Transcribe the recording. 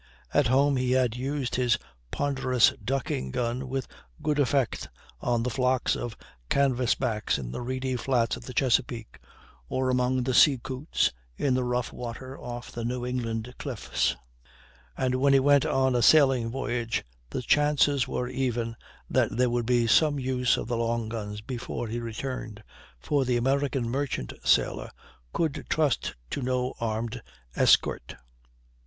At home he had used his ponderous ducking gun with good effect on the flocks of canvasbacks in the reedy flats of the Chesapeake, or among the sea coots in the rough water off the New England cliffs; and when he went on a sailing voyage the chances were even that there would be some use for the long guns before he returned, for the American merchant sailor could trust to no armed escort.